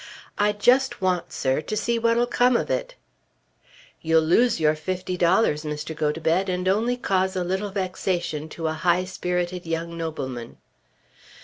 "I just want, sir, to see what'll come of it." "You'll lose your fifty dollars, Mr. Gotobed, and only cause a little vexation to a high spirited young nobleman."